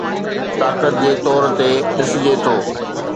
طاقت جي طور تي ڏسجي ٿو